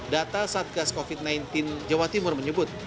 data satgas covid sembilan belas jawa timur menyebut